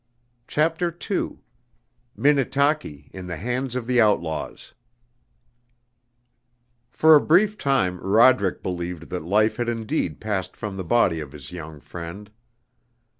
CHAPTER II MINNETAKI IN THE HANDS OF THE OUTLAWS For a brief time Roderick believed that life had indeed passed from the body of his young friend.